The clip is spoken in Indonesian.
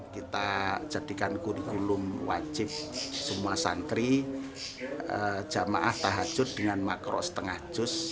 kita jadikan kurikulum wajib semua santri jamaah tahajud dengan makro setengah juz